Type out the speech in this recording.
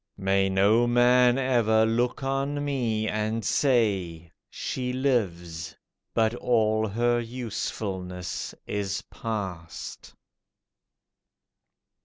May no man ever look on me and say, "She lives, but all her usefulness is past."